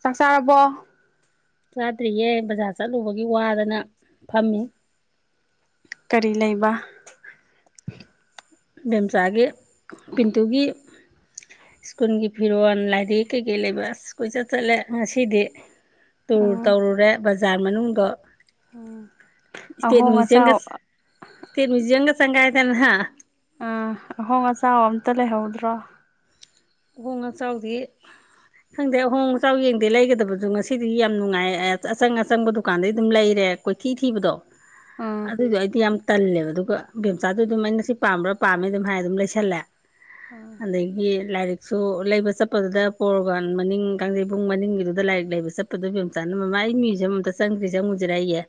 ꯆꯥꯛ ꯆꯥꯔꯕꯣ ꯆꯥꯗ꯭ꯔꯤꯌꯦ ꯕꯖꯥꯔ ꯆꯠꯂꯨꯕꯒꯤ ꯋꯥꯗꯅ ꯐꯝꯃꯤ ꯀꯔꯤ ꯂꯩꯕ ꯦꯝꯁꯒꯤꯦ ꯄꯤꯟꯇꯨꯒꯤ ꯁ꯭ꯀꯨꯜꯒꯤ ꯐꯤꯔꯣꯜ ꯂꯥꯏꯔꯤꯛ ꯀꯩꯀꯩ ꯂꯩꯕ ꯑꯁ ꯀꯣꯏꯆꯠ ꯆꯠꯂꯦ ꯉꯁꯤꯗꯤ ꯇꯨꯔ ꯎꯝ ꯇꯧꯔꯨꯔꯦ ꯕꯖꯥꯔ ꯃꯅꯨꯡꯗꯣ ꯏꯁꯇꯦꯠ ꯑꯍꯣꯡ ꯑꯆꯥꯎ ꯃ꯭ꯨꯖꯤꯝꯒꯁ ꯏꯁꯇꯦꯠ ꯃ꯭ꯨꯖꯝꯒ ꯆꯪꯥꯏꯗꯅ ꯍꯥ ꯎꯝ ꯑꯍꯣꯡ ꯑꯆꯥꯎꯕ ꯑꯝꯇ ꯂꯩꯍꯧꯗ꯭ꯔꯣ ꯑꯍꯣꯡ ꯑꯆꯥꯎꯗꯤ ꯈꯪꯗꯦ ꯑꯍꯣꯡ ꯑꯆꯥꯎ ꯌꯦꯡꯗꯦ ꯂꯩꯒꯗꯕꯁꯨ ꯉꯁꯤꯗꯤ ꯌꯥꯝ ꯅꯨꯡꯉꯥꯏ ꯑꯆꯪ ꯑꯆꯪꯕ ꯗꯨꯀꯥꯟꯗꯩ ꯑꯗꯨꯝ ꯂꯩꯔꯦ ꯀꯣꯏꯊꯤ ꯊꯤꯕꯗꯣ ꯎꯝ ꯑꯗꯨꯏꯗꯣ ꯑꯩꯗꯤ ꯌꯥꯝ ꯇꯜꯂꯦꯕ ꯑꯗꯨꯒ ꯕꯦꯝꯆꯥꯗꯨ ꯑꯗꯨꯝ ꯑꯩ ꯉꯁꯤ ꯄꯥꯝꯕ꯭ꯔꯥ ꯄꯥꯝꯃꯦ ꯑꯗꯨꯝ ꯍꯥꯏ ꯑꯗꯨꯝ ꯂꯩꯁꯜꯂꯦ ꯎꯝ ꯑꯗꯒꯤ ꯂꯥꯏꯔꯤꯛ ꯁꯣ ꯂꯩꯕ ꯆꯠꯄꯗꯨꯗ ꯄꯣꯔꯒꯥꯟ ꯃꯅꯤꯡ ꯀꯥꯡꯖꯩꯕꯨꯡ ꯃꯅꯤꯡꯒꯤꯗꯨꯗ ꯂꯥꯏꯔꯤꯛ ꯂꯩꯕ ꯆꯠꯄꯗꯨ ꯃꯕ ꯃꯆꯥꯅ ꯃꯃꯥ ꯑꯩ ꯃ꯭ꯌꯨꯖꯌꯝ ꯑꯝꯇ ꯆꯪꯗ꯭ꯔꯤ ꯆꯪꯉꯨꯁꯤꯔ ꯑꯩꯌꯦ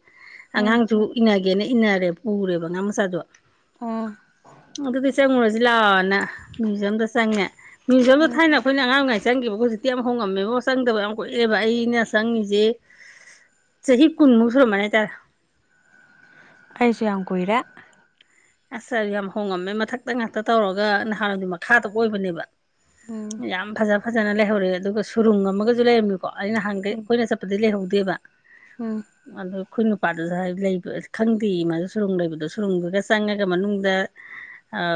ꯎꯝ ꯑꯉꯥꯡꯁꯨ ꯏꯟꯅꯒꯦꯅ ꯏꯟꯅꯔꯦ ꯄꯨꯔꯦꯕ ꯑꯉꯥꯡ ꯃꯆꯥꯗꯣ ꯎꯝ ꯑꯗꯨꯗꯤ ꯆꯪꯉꯨꯔꯁꯤ ꯂꯥꯛꯑꯣꯅ ꯃ꯭ꯌꯨꯖꯝꯗ ꯆꯪꯉꯦ ꯃꯤꯌꯨꯌꯝ ꯎꯝ ꯊꯥꯏꯅ ꯐꯩꯅꯥꯉ ꯑꯉ ꯉꯥꯏꯁꯤ ꯆꯪꯈꯤꯕ ꯍꯧꯖꯤꯛꯇꯤ ꯌꯥꯝ ꯍꯣꯡꯉꯝꯃꯦꯕꯣ ꯆꯪꯗꯕ ꯌꯥꯝ ꯀꯣꯛꯏꯑꯦꯕ ꯑꯩꯅ ꯆꯪꯉꯤꯁꯦ ꯆꯍꯤ ꯀꯨꯟꯃꯨꯛ ꯁꯨꯔꯝꯃꯅꯤ ꯍꯥꯏꯇꯥꯔꯦ ꯑꯩꯁꯨ ꯌꯥꯝ ꯀꯨꯏꯔꯦ ꯑꯁ ꯑꯗꯨ ꯌꯥꯝ ꯍꯣꯡꯉꯝꯃꯦ ꯃꯊꯛꯇ ꯉꯥꯛꯇ ꯇꯧꯔꯒ ꯅꯍꯥꯟꯋꯥꯗꯤ ꯃꯈꯥꯗ ꯀꯣꯏꯕꯅꯦꯕ ꯎꯝ ꯌꯥꯝ ꯐꯖ ꯐꯖꯅ ꯂꯩꯍꯧꯔꯦ ꯑꯗꯨꯒ ꯁꯨꯔꯨꯡ ꯑꯃꯒꯁꯨ ꯂꯩꯔꯝꯃꯤꯀꯣ ꯑꯩ ꯅꯍꯥꯟꯗꯩ ꯎꯝ ꯑꯩꯈꯣꯏꯅ ꯆꯠꯄꯗꯤ ꯂꯩꯍꯧꯗꯦꯕ ꯎꯝ ꯑꯗꯨ ꯑꯗꯨ ꯑꯩꯈꯣꯏ ꯅꯨꯄꯥꯗꯨꯁꯨ ꯍꯥꯏ ꯂꯩꯕ ꯈꯪꯗꯦ ꯏꯃꯥꯗ ꯁꯨꯔꯨꯝ ꯂꯩꯕꯗꯣ ꯁꯨꯔꯨꯝꯒ ꯆꯪꯉꯒ ꯃꯅꯨꯡꯗ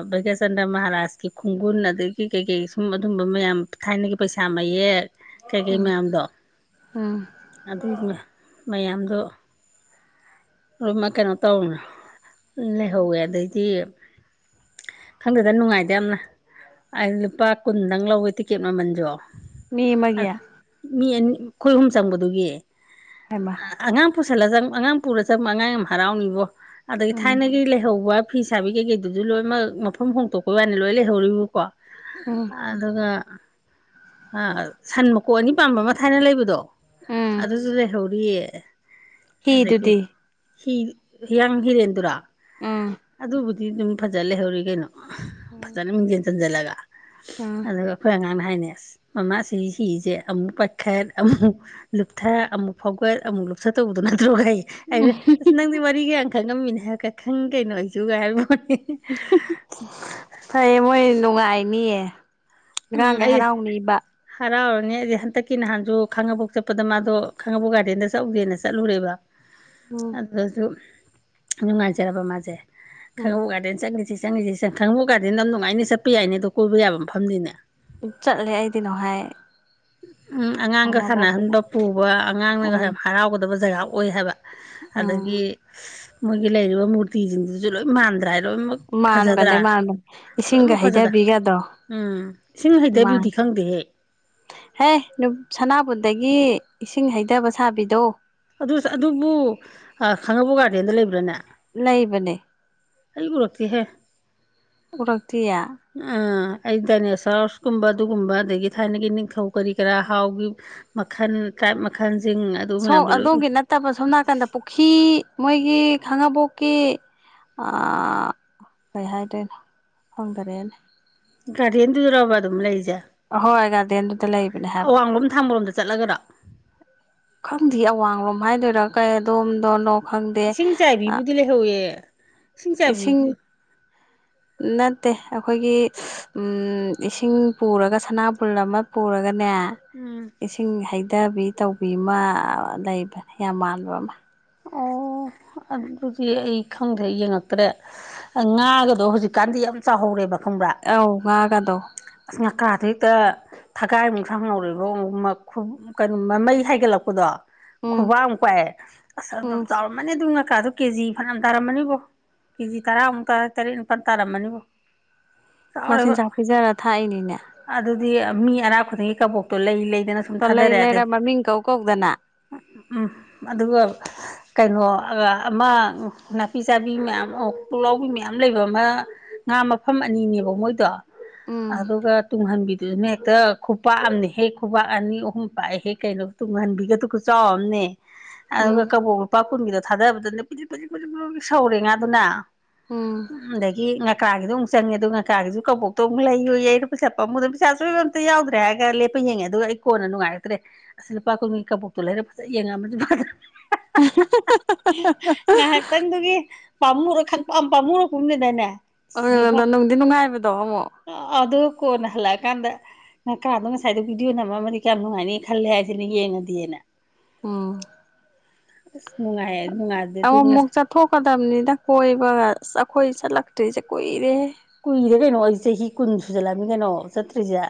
ꯚꯩꯒ꯭ꯌꯆꯟꯗ꯭ꯔ ꯃꯍꯥꯔꯥꯖꯀꯤ ꯈꯣꯡꯒꯨꯟ ꯑꯗꯒꯤ ꯀꯩꯀꯩ ꯁꯨꯝ ꯑꯗꯨꯝꯕ ꯃꯌꯥꯝ ꯊꯥꯏꯅꯒꯤ ꯄꯩꯁꯥ ꯃꯌꯦꯛ ꯀꯩꯀꯩ ꯃꯌꯥꯝꯗꯣ ꯎꯝ ꯑꯗꯨ ꯃꯌꯥꯝꯗꯣ ꯑꯗꯨꯃ ꯀꯩꯅꯣ ꯇꯧꯔꯨꯅ ꯎꯝ ꯂꯩꯍꯧꯋꯦ ꯑꯗꯩꯗꯤ ꯈꯪꯗꯗ ꯅꯨꯡꯉꯥꯏꯗ ꯌꯥꯝꯅ ꯂꯨꯄꯥ ꯀꯨꯟꯗꯪ ꯂꯧꯋꯦ ꯇꯤꯛꯀꯦꯠ ꯃꯃꯜꯁꯨ ꯃꯤ ꯑ ꯑꯃꯒꯤ ꯃꯤꯅꯤ ꯈꯣꯏ ꯑꯍꯨꯝ ꯆꯪꯕꯗꯨꯒꯤ ꯍꯥꯏꯃ ꯄꯁꯜꯂ ꯑꯉꯥꯡ ꯄꯨ ꯆꯞ ꯃꯉꯥ ꯌꯥꯝ ꯍꯔꯥꯎꯅꯤꯕꯣ ꯑꯗꯒꯤ ꯎꯝ ꯊꯥꯏꯅꯒꯤ ꯂꯩꯍꯧꯕ ꯐꯤ ꯁꯥꯕꯤ ꯀꯩꯀꯩꯗꯨꯁꯨ ꯂꯣꯏꯅꯃꯛ ꯃꯐꯝ ꯍꯣꯡꯇꯣꯛꯄꯩ ꯋꯥꯅꯤ ꯂꯣꯏ ꯂꯩꯍꯧꯔꯤꯕ ꯀꯣ ꯎꯝ ꯑꯗꯨꯒ ꯑ ꯁꯟ ꯃꯀꯣꯛ ꯑꯅꯤ ꯄꯥꯝꯕ ꯑꯃ ꯊꯥꯏꯅ ꯂꯩꯕꯗꯣ ꯎꯝ ꯑꯗꯨꯁꯨ ꯂꯩ ꯍꯧꯧꯔꯤꯑꯦ ꯍꯤꯗꯨꯗꯤ ꯍꯤꯌꯥꯡ ꯍꯤꯔꯦꯟꯗꯨꯔꯥ ꯎꯝ ꯑꯗ ꯗꯤ ꯑꯗꯨꯝ ꯐꯖ ꯂꯩꯍꯧꯔꯤ ꯀꯩꯅꯣ ꯎꯝ ꯐꯖꯅ ꯃꯤꯁꯤꯟ ꯊꯟꯖꯜꯂꯒ ꯎꯝ ꯑꯗ ꯐꯉ ꯍꯥꯏꯅꯦ ꯑꯁ ꯃꯃꯥꯁꯤ ꯍꯤꯁꯦ ꯑꯃꯨꯛ ꯄꯥꯏꯈꯠ ꯑꯃꯨꯛ ꯂꯨꯞꯊ ꯑꯃꯨꯛ ꯐꯥꯎꯒꯠ ꯑꯃꯨꯛ ꯂꯨꯞꯊ ꯇꯧꯕꯗꯣ ꯅꯠꯇ꯭ꯔꯣꯈꯩ ꯍꯥꯏꯦ ꯑꯁ ꯅꯪꯗꯤ ꯃꯔꯤꯒꯤ ꯈꯪꯉꯝꯃꯤꯅꯦ ꯍꯥꯏꯔꯒ ꯈꯪ ꯀꯩꯅꯣ ꯑꯩꯁꯨꯒꯥꯏꯔꯤ ꯃꯣꯠ ꯐꯩꯌꯦ ꯃꯣꯏ ꯅꯨꯡꯉꯥꯏ ꯃꯤꯡ ꯉꯔꯥꯡꯒꯩ ꯍꯔꯥꯎꯅꯤꯕ ꯅꯦ ꯑꯩꯗꯤ ꯍꯟꯗꯛꯀꯤ ꯅꯍꯥꯟꯁꯨ ꯈꯥꯡꯉꯕꯣꯛ ꯆꯠꯄꯗ ꯃꯥꯗꯣ ꯈꯥꯡꯉꯕꯣꯛ ꯒꯥꯔꯗꯦꯟꯗ ꯆꯠꯎꯗꯦꯅ ꯆꯠꯂꯨꯔꯦꯕ ꯎꯝ ꯑꯗꯨꯁꯨ ꯅꯨꯡꯉꯥꯏꯖꯔꯕ ꯃꯥꯁꯦ ꯎꯝ ꯈꯕꯨꯒꯒꯥꯗ ꯆ ꯁꯤ ꯆꯪꯉꯁꯤꯦꯪ ꯈꯪꯉꯕ ꯀꯗꯗꯤ ꯅꯝ ꯅꯨꯡꯉꯥꯏꯅ ꯆꯠꯄ ꯌꯥꯏꯅꯦ ꯑꯗꯣ ꯀꯣꯏꯕ ꯌꯥꯕ ꯃꯐꯝꯗꯤꯅꯦ ꯆꯠꯂꯦ ꯑꯩꯗꯤ ꯅꯣ ꯍꯥꯏꯥꯏ ꯎꯝ ꯑꯉꯥꯡꯒ ꯁꯥꯟꯅꯍꯟꯕ ꯄꯨꯕ ꯑꯉꯥꯡꯅꯒ ꯎꯝ ꯍꯔꯥꯎꯒꯗꯕ ꯖꯒꯥ ꯑꯣꯏ ꯍꯥꯏꯕ ꯎꯝ ꯑꯗꯒꯤ ꯃꯣꯏꯒꯤ ꯂꯩꯔꯤꯕ ꯃꯨꯔꯇꯤꯁꯤꯡꯁꯤꯁꯨ ꯂꯣꯏ ꯃꯥꯟꯗ꯭ꯔꯥ ꯍꯥꯏ ꯂꯣꯏꯅꯃꯛ ꯃꯥꯟꯕꯅꯦ ꯐꯖꯗ꯭ꯔꯥ ꯃꯥꯟꯕꯅꯦ ꯏꯁꯤꯡꯒ ꯂꯣꯏꯅꯃꯛ ꯐꯖꯗ꯭ꯔꯥ ꯍꯩꯊꯕꯤꯒꯗꯣ ꯎꯝ ꯏꯁꯤꯡ ꯃꯥꯟ ꯍꯩꯊꯕꯤꯗꯤ ꯈꯪꯗꯦꯍꯦꯛ ꯍꯦ ꯁꯅꯥꯕꯨꯟꯗꯒꯤ ꯏꯁꯤꯡ ꯍꯩꯊꯕ ꯁꯥꯕꯤꯗꯣ ꯑꯗꯨ ꯑꯗꯨꯕꯨ ꯈꯥꯡꯉꯕ ꯒꯥꯔꯗꯦꯟꯗ ꯂꯩꯕ꯭ꯔꯥꯅꯦ ꯂꯩꯕꯅꯦ ꯑꯩꯕꯨꯂꯛꯇꯛꯇ ꯍ ꯎꯔꯇꯌꯥ ꯑꯩ ꯗꯥꯏꯅꯦꯁꯔꯁ ꯀꯨꯝꯕ ꯑꯗꯨꯒꯨꯝꯕ ꯑꯗꯒꯤ ꯊꯥꯏꯅꯒꯤ ꯅꯤꯡꯊꯧ ꯀꯔꯤ ꯀꯔꯥ ꯍꯥꯎꯒꯤ ꯃꯈꯜ ꯇꯥꯏꯞ ꯃꯈꯜ ꯁꯣ ꯑꯗꯣꯝꯒꯤ ꯅꯠꯇꯕ ꯁꯣꯝ ꯅꯥꯀꯟꯗ ꯄꯨꯈ꯭ꯔꯤ ꯃꯣꯏꯒꯤ ꯈꯥꯉꯕꯣꯛꯀꯤ ꯀꯩ ꯍꯥꯏꯗꯣꯏꯅꯣ ꯐꯪꯗꯔꯦꯅꯦ ꯒꯥꯔꯤꯗꯨꯔꯕ ꯑꯗꯨꯝ ꯂꯩꯖꯦ ꯑꯍꯣꯏ ꯒꯥꯔꯗꯦꯟꯗꯨꯗ ꯂꯩꯕꯅꯦ ꯍꯥꯏꯕ ꯆꯠꯂꯒꯗ ꯈꯪꯗꯦ ꯑꯋꯥꯡꯂꯣꯝ ꯍꯥꯏꯗꯣꯏꯔꯥ ꯀꯩ ꯑꯗꯣꯝꯗꯣ ꯏꯁꯤꯡ ꯆꯥꯏꯕꯤꯕꯨꯗꯤ ꯂꯩꯍꯧꯋꯦ ꯏꯁꯤꯡ ꯅꯠꯇꯦ ꯑꯩꯈꯣꯏꯒꯤ ꯏꯁꯤꯡ ꯄꯨꯔꯒ ꯁꯅꯥꯕꯨꯜ ꯑꯃ ꯄꯨꯔꯒ ꯅ ꯎꯝ ꯏꯁꯤꯡ ꯍꯩꯊꯕꯤ ꯇꯧꯕꯤ ꯑꯃ ꯂꯩꯕ ꯌꯥꯝ ꯃꯥꯟꯕ ꯑꯃ ꯑꯣ ꯑꯗꯨꯗꯤ ꯑꯩ ꯈꯪꯗ꯭ꯔꯦ ꯌꯦꯡꯉꯛꯇ꯭ꯔꯦ ꯉꯥꯒꯗꯣ ꯍꯧꯖꯤꯛꯀꯥꯟꯗꯤ ꯌꯥꯝ ꯆꯥꯎꯍꯧꯔꯦꯕ ꯈꯪꯕ꯭ꯔꯥ ꯑꯥꯎ ꯉꯒꯥꯗꯣ ꯇ ꯊꯒꯥꯏꯃꯨꯁꯪ ꯉꯧꯔꯤꯕ ꯀꯩꯅꯣ ꯃꯃꯩ ꯍꯥꯏꯒꯠꯂꯛꯄꯗꯣ ꯎꯝ ꯈꯨꯕ ꯑꯃꯨ ꯀꯥꯏ ꯑ ꯎꯝ ꯆꯥꯎꯔ ꯃ ꯑꯗꯨꯗꯨ ꯉꯀꯥꯗꯨꯣ ꯀꯦꯖꯤ ꯐꯅꯌꯥꯝ ꯇꯥꯔꯝꯃꯅꯤꯕꯣ ꯀꯦꯖꯤ ꯇꯔꯥꯃꯨꯛ ꯇ ꯇꯔꯦꯠꯃꯨꯛ ꯐꯜ ꯇꯥꯔꯝꯃꯅꯤꯕꯣ ꯆꯥꯎꯔꯦꯕ ꯃꯆꯤꯟꯖꯥꯛ ꯄꯤꯖꯔ ꯊꯥꯛꯏꯅꯤꯅꯦ ꯑꯗꯨꯗꯤ ꯃꯤ ꯑꯔꯥ ꯈꯨꯗꯤꯡꯒꯤ ꯀꯕꯣꯛꯇꯣ ꯂꯩ ꯂꯩ ꯑꯗꯨꯩꯅ ꯁꯨꯝ ꯂꯩ ꯊꯥꯗꯔꯛꯑꯦ ꯂꯩꯔ ꯑꯗꯩ ꯃꯃꯤꯡ ꯀꯧ ꯀꯧꯗꯅ ꯎꯝ ꯑꯗꯨꯒ ꯀꯩꯅꯣ ꯑꯃ ꯅꯥꯄꯤ ꯆꯥꯕꯤ ꯃꯌꯥꯝ ꯄꯨꯛꯂꯥꯎꯕꯤ ꯃꯌꯥꯝ ꯂꯩꯕ ꯑꯃ ꯉꯥ ꯃꯐꯝ ꯑꯅꯤꯅꯦꯕ ꯃꯣꯏꯗꯣ ꯎꯝ ꯑꯗꯨꯒ ꯍꯟꯕꯤꯗꯨꯅꯦ ꯍꯦꯛꯇ ꯈꯨꯄꯥꯛꯑꯝꯅꯦ ꯍꯦꯛ ꯈꯨꯄꯥꯛꯥꯛ ꯑꯅꯤ ꯑꯍꯨꯝ ꯄꯥꯛꯑꯦ ꯍꯦꯛ ꯀꯩꯅꯣ ꯇꯨꯡꯍꯟꯕꯤꯒꯗꯨ ꯆꯥꯎꯑꯝꯅꯦ ꯑꯗ ꯀ ꯎꯝ ꯀꯕꯨꯣ ꯄꯥꯀꯅꯒꯗ ꯊꯥꯗꯖꯕꯗꯨꯅꯦ ꯄꯤꯖꯤꯛ ꯄꯤꯖꯤꯛ ꯄꯤꯖꯤꯛꯛ ꯁꯧꯔꯦ ꯉꯥ ꯑꯗꯨꯅ ꯎꯝ ꯗꯒꯤ ꯉ ꯀꯀꯥꯒꯤꯗ ꯑꯃꯨꯛ ꯆꯪꯉꯦ ꯑꯗꯨꯒ ꯀꯀꯥꯒꯤꯁꯨ ꯀꯕꯣꯛꯇꯣꯨꯛ ꯂꯩꯨ ꯄꯩꯁꯥ ꯄꯥꯝꯃꯨꯗꯅ ꯄꯩꯁꯥ ꯆꯣꯏꯕ ꯑꯝꯇ ꯌꯥꯎꯗ꯭ꯔꯦ ꯍꯥꯏꯔꯒ ꯂꯦꯞꯄ ꯌꯦꯡꯉꯦ ꯑꯗꯨꯒ ꯑꯩ ꯀꯣꯟꯅ ꯅꯨꯡꯉꯥꯏꯔꯛꯇ꯭ꯔꯦ ꯑ ꯂꯨꯄꯥ ꯀꯨꯟꯒꯤ ꯀꯕꯣꯛꯇꯣ ꯂꯩꯔ ꯐꯖ ꯌꯦꯡꯉꯝꯃꯁꯨ ꯐꯅ ꯉꯥꯏꯍꯥꯛꯇꯪꯗꯨꯒꯤ ꯄꯥꯝꯃꯨꯔ ꯈꯛ ꯄꯥꯝꯃꯨꯔ ꯀꯨꯝꯅꯗꯅꯦ ꯑꯗ ꯅꯨꯡꯗꯤ ꯅꯨꯡꯉꯥꯏꯕꯗꯣ ꯑꯃꯃꯛ ꯑꯗꯨ ꯀꯣꯟꯅ ꯍꯜꯂꯛꯑꯀꯥꯟꯗ ꯉꯀꯥꯗꯣ ꯉꯁꯥꯏꯗ ꯚꯤꯗꯤꯑꯣ ꯅꯝꯃꯝꯃ ꯀꯌꯥꯝ ꯅꯨꯡꯉꯥꯏꯅꯤ ꯈꯜꯂꯦ ꯍꯥꯏꯁꯤꯅ ꯌꯦꯡꯉꯗꯤꯦꯅ ꯎꯝ ꯅꯨꯡꯉꯥꯏ ꯅꯨꯡꯉꯥꯏꯕꯗꯨꯗꯤ ꯑꯃꯛꯃꯨꯛ ꯉꯁ ꯆꯠꯊꯣꯛꯀꯗꯕꯅꯤꯅ ꯀꯣꯏꯕꯒ ꯑꯁ ꯑꯩꯈꯣꯏ ꯆꯠꯂꯛꯇ꯭ꯔꯤꯁꯦ ꯀꯨꯏꯔꯦ ꯀꯨꯏꯔꯦ ꯀꯩꯅꯣ ꯑꯩ ꯆꯍꯤ ꯀꯨꯟ ꯁꯨꯖꯜꯂꯝꯃꯤ ꯀꯩꯅꯣ ꯆꯠꯇ꯭ꯔꯤꯁꯦ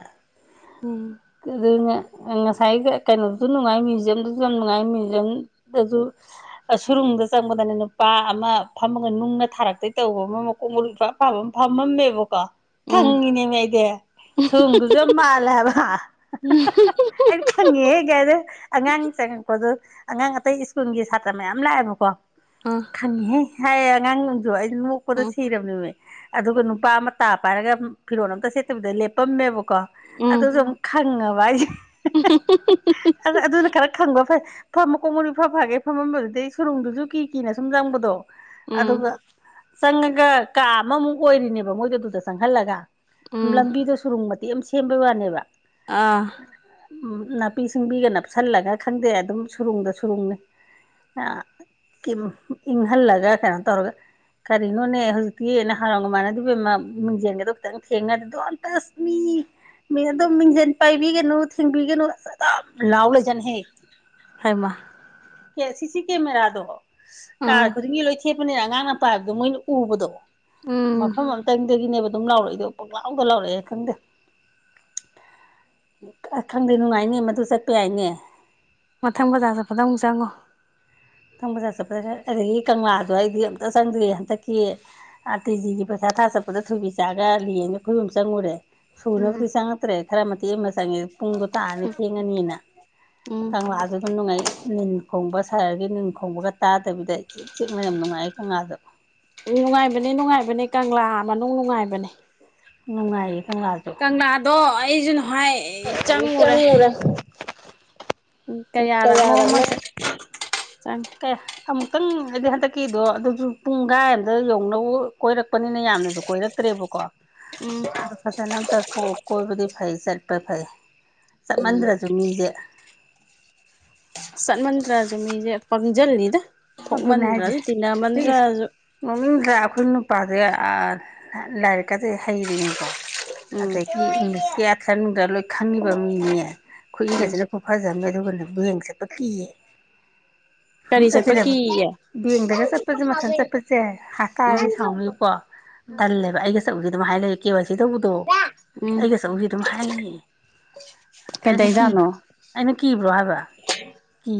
ꯎꯝ ꯀꯗꯣꯏꯅ ꯉꯁꯥꯏꯒ ꯀꯩꯅꯣꯁꯨ ꯅꯨꯡꯉꯥꯏ ꯃ꯭ꯌꯨꯖꯤꯌꯝꯗꯁꯨ ꯌꯥꯝ ꯅꯨꯡꯉꯥꯏ ꯃ꯭ꯌꯨꯖꯤꯌꯝꯗꯁꯨ ꯁꯨꯔꯨꯡꯗ ꯆꯪꯕꯗꯅ ꯅꯨꯄꯥ ꯑꯃ ꯐꯝꯃꯒ ꯅꯨꯡꯅ ꯊꯥꯔꯛꯇꯩ ꯇꯧꯕ ꯑꯃ ꯃꯀꯣꯛ ꯃꯔꯨꯁꯨ ꯑ ꯐꯕ ꯑꯃ ꯊꯃꯝ ꯃꯦꯕ ꯀꯥ ꯎꯝ ꯈꯪꯉꯤꯅꯦꯅꯦ ꯑꯩꯗꯤ ꯁꯣꯗꯨꯁꯨ ꯌꯥꯝ ꯃꯥꯜꯂꯦ ꯍꯥꯏꯕ ꯑꯩ ꯈꯪꯉꯦ ꯀꯥꯏꯗ ꯑꯉꯥꯡ ꯆꯪꯉꯛꯄꯗꯣ ꯑꯉꯥꯡ ꯑꯇꯩ ꯁ꯭ꯀꯨꯜꯒꯤ ꯁꯥꯇ꯭ꯔ ꯃꯌꯥꯝ ꯂꯥꯛꯑꯦꯕꯀꯣ ꯎꯝ ꯈꯅꯤ ꯍꯥꯏ [unintelligible] ꯑꯗꯨ ꯑꯩꯗꯤ ꯃꯣꯛꯄꯗ ꯎꯝ ꯁꯤꯔꯕꯅꯤꯃꯦ ꯑꯗꯨꯒ ꯅꯨꯄꯥ ꯑꯃ ꯇꯥ ꯄꯥꯏꯔꯒ ꯐꯤꯔꯣꯜ ꯑꯃꯝꯇ ꯁꯦꯠꯇꯕꯤꯗ ꯂꯦꯞꯄꯝꯃꯦꯕ ꯀꯣ ꯎꯝ ꯑꯗꯨ ꯁ ꯈꯪꯉꯕ ꯚꯏ ꯑ ꯑꯗꯨꯅ ꯈꯔ ꯈꯪꯕꯣ ꯐꯩ ꯐꯝꯃꯀꯣꯡ ꯃꯗꯤ ꯐ ꯐꯥꯒꯦ ꯐꯝꯃꯝꯕꯗꯨꯗꯩ ꯁꯨꯔꯨꯡꯗꯨꯁꯨ ꯀꯤ ꯀꯤꯅ ꯁꯨꯝ ꯆꯪꯕꯗꯣ ꯎꯝ ꯑꯗꯨꯒ ꯆꯪꯉꯒ ꯀꯥ ꯑꯃꯃꯨꯛ ꯑꯣꯏꯔꯤꯅꯦꯕ ꯃꯣꯏꯗ ꯑꯗꯨꯗ ꯆꯪꯍꯜꯂꯒ ꯎꯝ ꯂꯝꯕꯤꯗ ꯁꯨꯔꯨꯡꯃꯦ ꯁꯦꯝꯦꯝꯕ ꯋꯥꯅꯦꯕ ꯑꯥ ꯅꯥꯄꯤ ꯁꯤꯡꯕꯤꯒ ꯅꯞꯁꯜꯂꯒ ꯈꯪꯗꯦ ꯑꯗꯨꯝ ꯁꯨꯔꯨꯡꯗ ꯁꯨꯔꯨꯡꯅꯤ ꯏꯪꯍꯜꯂꯒ ꯀꯩꯅꯣ ꯇꯧꯔꯒ ꯀꯔꯤꯅꯣꯅꯦ ꯍꯧꯖꯤꯛꯇꯤꯅ ꯍꯔꯥꯎꯒ ꯃꯥꯟꯅꯗꯕꯃ ꯃꯤꯡꯖꯦꯟꯒꯗꯣ ꯈꯤꯇꯪ ꯊꯦꯡꯅꯔꯗꯇꯁ ꯃꯤ ꯃꯤ ꯑꯗꯨꯝ ꯃꯤꯡꯖꯦꯟ ꯄꯥꯏꯕꯤꯒꯅꯨ ꯊꯦꯡꯕꯤꯒꯅꯨ ꯑꯁ ꯑꯗꯨꯝ ꯂꯥꯎ ꯂꯩꯁꯟꯍꯦ ꯍꯥꯏꯃ ꯀ ꯁꯤ ꯁꯤ ꯀꯦꯃꯦꯔꯥꯗꯣ ꯀꯥꯔ ꯎꯝ ꯈꯗꯤꯉ ꯂꯣꯏ ꯈꯦꯄꯅꯤꯅ ꯑꯉꯥꯡ ꯅꯨꯄꯥ ꯍꯥꯏꯕꯗꯣ ꯃꯣꯏꯅ ꯎꯕꯗꯣ ꯎꯝ ꯃꯐꯝ ꯑꯃꯇꯪꯗꯒꯤꯅꯦꯕ ꯑꯗꯨꯝ ꯂꯥꯎꯔꯛꯏꯗꯣ ꯄꯛꯂꯥꯎꯗ ꯂꯥꯎꯔꯛꯑꯦ ꯈꯪꯗꯦ ꯑ ꯈꯪꯗꯦ ꯅꯨꯡꯉꯥꯏꯅꯦ ꯃꯗꯨ ꯆꯠꯄ ꯌꯥꯏꯅꯦ ꯃꯊꯪ ꯕꯖꯥꯔꯁ ꯐꯖꯪ ꯑꯃꯨꯛ ꯆꯪꯉꯣ ꯊꯪꯕꯖꯥ ꯆꯠꯄꯗ ꯑꯗꯒꯤ ꯀꯪꯂꯥꯗꯣ ꯑꯩꯗꯤ ꯑꯝꯇ ꯆꯪꯗ꯭ꯔꯤ ꯍꯟꯗꯛꯀꯤ ꯑꯥ ꯇꯤꯖꯤꯒꯤ ꯄꯩꯁꯥ ꯊꯥ ꯆꯠꯄꯗ ꯊꯨꯕꯤ ꯆꯥꯒ ꯂꯅ ꯈꯨꯣꯏꯕ ꯆꯪꯉꯨꯔꯦ ꯎꯝ ꯁꯣꯅꯕꯨꯗꯤ ꯁꯉ ꯇ꯭ꯔꯦ ꯈꯔꯝ ꯆꯪꯉꯦ ꯄꯨꯡꯗꯣ ꯇꯥꯔꯅꯤ ꯊꯦꯡꯉꯅꯤꯅ ꯎꯝ ꯀꯪꯂꯥꯁꯨ ꯑꯗꯨꯝ ꯅꯨꯡꯉꯥꯏ ꯅꯤꯟ ꯈꯣꯡꯕ ꯁꯥꯔꯒ ꯆꯤꯡ ꯈꯧꯕꯒ ꯇꯥꯗꯕꯤꯗ ꯆ ꯆꯤꯛꯅ ꯌꯥꯝ ꯅꯨꯡꯉꯥꯏ ꯀꯪꯂꯥꯗꯣ ꯎ ꯅꯨꯡꯉꯥꯏꯕꯅꯦ ꯅꯨꯡꯉꯥꯏꯕꯅꯦ ꯀꯪꯂꯥ ꯃꯅꯨꯡ ꯅꯨꯡꯉꯥꯏꯕꯅꯦ ꯅꯨꯡꯉꯥꯏ ꯀꯪꯂꯥꯗꯣ ꯑꯩꯖ ꯍꯥꯏ ꯆꯪꯉꯨꯔꯦ ꯎ ꯀꯌꯥꯔꯅꯣꯃꯠ ꯀꯦ ꯑꯃꯨꯛꯇꯪ ꯍꯥꯏꯗꯤ ꯍꯟꯗꯛꯀꯤꯗꯣ ꯑꯗꯨꯁꯨ ꯄꯨꯡ ꯀꯥꯏ ꯑꯝꯗ ꯌꯧꯅ ꯀꯣꯏꯔꯛ ꯄꯛꯄꯅꯤꯅ ꯌꯥꯝꯅꯁꯨ ꯀꯣꯏꯔꯛꯇ꯭ꯔꯦꯕꯀꯣ ꯑꯗꯣ ꯐꯖꯅ ꯑꯝꯇ ꯀꯣꯏꯕꯗꯤ ꯐꯩ ꯆꯠꯄꯦ ꯐꯥꯏ ꯐꯥꯏ ꯆꯞ ꯎꯝ ꯃꯟꯗ꯭ꯔꯁꯨ ꯃꯤꯁꯦ ꯁꯟꯃꯟ ꯔꯖ ꯃꯤꯦ ꯄ ꯜꯅꯤꯗ ꯑꯗꯨꯅꯦ ꯍꯥꯏꯁꯦ ꯃꯃꯤꯡꯗ ꯑꯩꯈꯣꯏ ꯅꯨꯄꯥ ꯑꯗꯨ ꯂꯥꯏꯔꯤꯛꯀꯗꯤ ꯍꯩꯔꯤꯅꯤꯀꯣ ꯎꯝ ꯑꯗꯒꯤ ꯏꯪꯂꯤꯁꯀꯤ ꯑꯥꯊ꯭ꯔꯅꯨꯡꯗ ꯂꯣꯏ ꯈꯪꯉꯤꯕ ꯃꯤꯅꯦ ꯎꯝ ꯈꯨꯏꯒꯁꯤꯅ ꯈꯨ ꯐꯖꯕꯃꯦ ꯑꯗꯨꯒ ꯕꯦꯡꯁꯦ ꯄ ꯀꯌꯦ ꯀꯔꯤ ꯆꯦꯠꯄ ꯀ ꯕꯦꯡꯗꯒ ꯆꯠꯄꯁꯦ ꯃꯊꯟ ꯆꯠꯄꯁꯦ ꯎꯝ ꯍꯁꯇꯥꯔꯗꯤ ꯁꯥꯎꯅꯤꯕꯀꯣ ꯇꯜꯂꯦꯕ ꯑꯩꯒ ꯆꯠꯂꯨꯁꯦ ꯑꯗꯨꯝ ꯍꯥꯏꯅ ꯂꯩꯛꯦ ꯀꯦ ꯋꯥꯏ ꯁꯤ ꯇꯧꯕꯗꯣ ꯎꯝ ꯑꯩꯒ ꯆꯁꯤ ꯑꯗꯨꯝ ꯍꯥꯏꯂꯛ ꯑꯩꯅ ꯀꯤ ꯀꯩꯗꯩꯖꯥꯠꯅꯣ ꯑꯩꯅ ꯀꯤꯕ꯭ꯔꯣ ꯍꯥꯏꯕ ꯀꯤ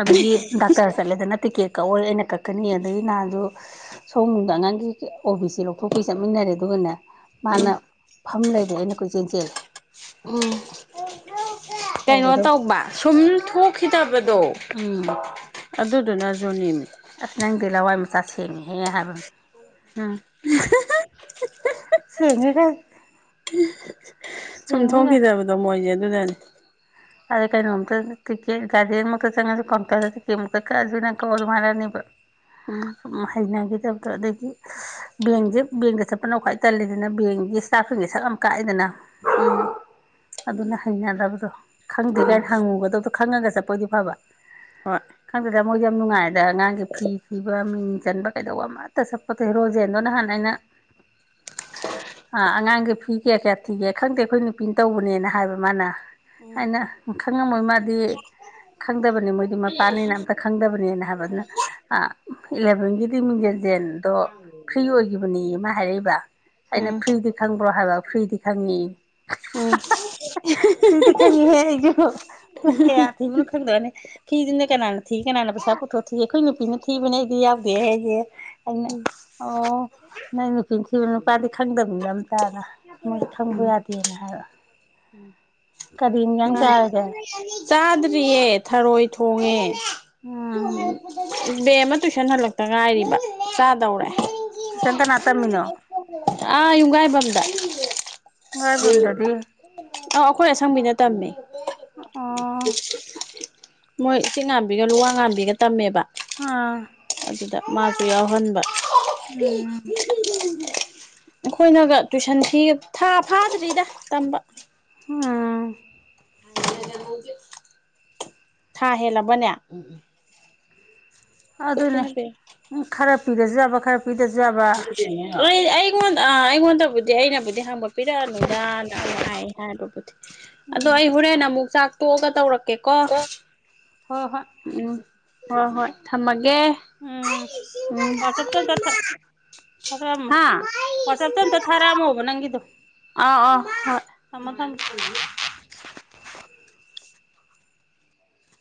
ꯑꯗꯒꯤ ꯀꯔ ꯆꯠꯂꯦꯗꯅ ꯇꯤꯛꯀꯦꯠ ꯀꯛꯑꯣꯏ ꯑꯩꯅ ꯀꯛꯀꯅꯤ ꯑꯗꯗꯒꯤ ꯅꯍꯥꯟꯁꯨ ꯁꯣꯝꯗ ꯑꯉꯥꯡꯒꯤ ꯑꯣ ꯕꯤꯁ ꯂꯧꯊꯣꯛꯄꯩ ꯆꯠꯃꯤꯟꯅꯔꯦ ꯑꯗꯨꯒꯅ ꯃꯥꯅ ꯎꯝ ꯐꯝ ꯂꯩꯔꯦ ꯑꯩꯅ ꯀꯣꯏꯆꯦꯟ ꯆꯦꯜꯂꯦ ꯀꯩꯅꯣ ꯇꯒꯗ ꯑꯣ ꯑꯗꯨꯗꯨꯅ ꯖꯨꯅꯤꯝ ꯑꯁ ꯅꯪꯗꯤꯂꯋꯥꯏ ꯃꯆꯥ ꯁꯦꯡꯉꯦꯍꯦ ꯍꯥꯏꯕ ꯑ ꯁꯦꯡꯉꯦꯒ ꯀ ꯁꯨꯝ ꯁꯦꯡꯉꯦꯒ ꯊꯣꯛꯈꯤꯗꯕꯗꯣ ꯃꯣꯏꯁꯦ ꯑꯗꯨꯗꯅꯤ ꯑꯗꯩ ꯀꯩꯅꯣꯝꯇ ꯇꯤꯛꯀꯦꯠ ꯒꯥꯔꯗꯦꯟ ꯃꯨꯛꯇ ꯆꯪꯉꯁꯨ ꯀꯥꯎꯟꯇꯔꯗ ꯇꯤꯛꯀꯦꯠꯃꯨꯛꯇ ꯀꯛꯑꯁꯨ ꯅꯪ ꯀꯛꯑ ꯑꯗꯨꯝ ꯍꯥꯏꯔꯛꯅꯦꯕ ꯎꯝ ꯁꯨꯝ ꯍꯩꯅꯈꯤꯗꯕꯗꯣ ꯑꯗꯒꯤ ꯕꯦꯡꯁꯦ ꯕꯦꯡꯗ ꯆꯠꯄꯅ ꯈ꯭ꯋꯥꯏ ꯇꯜꯂꯤꯗꯅ ꯕꯦꯡꯒꯤ ꯏꯁꯇꯥꯐꯁꯤꯡꯒꯤ ꯁꯛ ꯌꯥꯝ ꯀꯥꯛꯑꯦꯗꯅ ꯎꯝ ꯑꯗꯨꯅ ꯍꯩꯅꯗꯕꯗꯣ ꯈꯪꯗ꯭ꯦ ꯎꯝ ꯀꯥꯏꯅ ꯍꯪꯉꯨꯒꯗꯧꯗꯣ ꯈꯪꯉꯒ ꯆꯠꯄꯣꯏꯗꯤ ꯐꯕ ꯍꯣꯏ ꯈꯪꯗꯗ ꯃꯣꯏꯗꯤ ꯌꯥꯝ ꯅꯨꯡꯉꯥꯏꯗ ꯑꯉꯥꯡꯒꯤ ꯐꯤ ꯊꯤꯕ ꯃꯤꯡ ꯆꯟꯕ ꯀꯩꯗꯧꯕ ꯑꯃꯠꯇ ꯆꯠꯄꯗ ꯍꯦ ꯔꯣꯖꯦꯟꯗꯣ ꯅꯍꯥꯟ ꯑꯩꯅ ꯑꯉꯥꯡꯒꯤ ꯐꯤ ꯀꯌꯥ ꯀꯌꯥ ꯊꯤꯒꯦ ꯈꯪꯗꯦ ꯑꯩꯈꯣꯏ ꯅꯨꯄꯤ ꯇꯧꯕꯅꯦꯅ ꯍꯥꯏꯕ ꯃꯥꯅ ꯎꯝ ꯑꯩꯅ ꯈꯪꯉꯝꯃꯣꯏ ꯃꯥꯗꯤ ꯈꯪꯗꯕꯅꯤ ꯃꯣꯏꯗꯤ ꯃꯄꯥꯅꯤꯅ ꯑꯝꯇ ꯈꯪꯗꯕꯅꯤꯅ ꯍꯥꯏꯕꯗꯨꯅ ꯏꯂꯚꯦꯟꯒꯤꯗꯤ ꯃꯤꯡꯖꯦꯟꯖꯦꯜꯗꯣ ꯐ꯭ꯔꯤ ꯑꯣꯏꯈꯤꯕꯅꯤ ꯑꯃ ꯍꯥꯏꯔꯛꯏꯕ ꯑꯩꯅ ꯎꯝ ꯐ꯭ꯔꯤꯗꯤ ꯈꯪꯕ꯭ꯔꯣ ꯍꯥꯏꯕ ꯐ꯭ꯔꯤꯗꯤ ꯈꯪꯉꯤ ꯎꯝ ꯐꯔꯤ ꯈꯪꯉꯤꯍꯦ ꯑꯩꯁꯨ ꯀꯌꯥ ꯊꯤꯕꯅꯣ ꯈꯪꯗꯕꯅꯤ ꯐꯤꯗꯨꯅ ꯀꯅꯥꯅ ꯊꯤ ꯀꯅꯥꯅ ꯄꯩꯁꯥ ꯄꯨꯊꯣꯛ ꯊꯤ ꯑꯩꯈꯣꯏ ꯅꯨꯄꯤꯅ ꯊꯤꯕꯅꯦ ꯑꯩꯗꯤ ꯌꯥꯎꯗꯦ ꯍꯥꯏꯁꯦ ꯑꯩꯅ ꯎꯝ ꯑꯣ ꯅꯪ ꯅꯨꯄꯤꯅ ꯊꯤꯕ ꯅꯨꯄꯥꯗꯤ ꯈꯪꯗꯕꯅꯤꯅꯝ ꯇꯥꯅ ꯃꯣꯏꯗꯤ ꯈꯪꯕ ꯎꯝ ꯌꯥꯗꯦꯅ ꯍꯥꯏꯕ ꯀꯗꯤ ꯅꯤꯡ ꯌꯥꯝꯅꯤ ꯃꯥꯅꯦ ꯆꯥꯔꯒ ꯆꯥꯗ꯭ꯔꯤꯌꯦ ꯊꯔꯣꯏ ꯊꯣꯡꯉꯦ ꯑꯣꯝ ꯕꯦ ꯑꯃ ꯇꯨꯏꯁꯟ ꯍꯜꯂꯛꯇ ꯉꯥꯏꯔꯤꯕ ꯆꯥꯗꯧꯔꯦ ꯇꯨꯏꯁꯟ ꯀꯅꯥ ꯇꯝꯃꯤꯅꯣ ꯑꯥ ꯌꯨꯡꯒꯥꯏꯕꯝꯗ ꯉꯥꯏꯕꯝꯗꯗꯤ ꯑ ꯑꯩꯈꯣꯏ ꯑꯁꯪꯕꯤꯅ ꯇꯝꯃꯦ ꯑꯣ ꯎ ꯃꯣꯏ ꯏꯆꯤꯟ ꯉꯥꯝꯕꯤꯒ ꯂꯨꯋꯥ ꯉꯥꯡꯝꯕꯤꯒ ꯇꯝꯃꯦꯕ ꯑꯥ ꯑꯗꯨꯗ ꯃꯥꯁꯨ ꯌꯥꯎꯍꯟꯕ ꯎꯝ [inaudible] ꯑꯩꯈꯣꯏꯅꯒ ꯇꯨꯏꯁꯟ ꯐꯤ ꯊꯥ ꯐꯥꯗ꯭ꯔꯤꯗ ꯇꯝꯕ ꯑꯥ ꯊꯥ ꯍꯦꯜꯂꯕꯅꯦ ꯎꯝ ꯑꯗꯨꯅꯦ ꯈꯔ ꯄꯤꯒꯖꯕ ꯕꯈꯔ ꯀꯗꯔ ꯌꯥꯕ ꯑꯩ ꯑꯩꯒꯣꯟ ꯑꯩꯒꯣꯟꯕꯕꯨꯗꯤ ꯑꯩꯅꯕꯨ ꯗꯤ ꯍꯥꯡꯒꯠꯄꯤꯤꯔꯛꯑꯅꯨꯗꯅ ꯍꯥꯏ ꯍꯥꯏꯕꯕꯨꯗꯤ ꯑꯗꯣ ꯑꯩ ꯍꯣꯔꯦꯟ ꯑꯃꯨꯛ ꯆꯥꯛ ꯇꯣꯛꯑꯒ ꯇꯧꯔꯛ ꯀꯀꯣ ꯀꯣ ꯍꯣꯏ ꯍꯣꯏ ꯍꯣꯏ ꯍꯣꯏ ꯊꯝꯃꯒꯦ ꯦ ꯎꯝ ꯎ ꯋꯥꯆꯞꯇ ꯑꯝꯇ ꯊꯥ ꯊꯥꯔꯛꯑꯝꯃꯣ ꯍꯥ ꯋꯥꯆꯞꯇ ꯑꯝꯇ ꯊꯥꯔꯛꯑꯝꯃꯣꯕ ꯅꯪꯒꯤꯗꯣ ꯑ ꯑꯣ ꯍ ꯊꯝꯃꯣ ꯊꯝꯃꯣ [inaudible]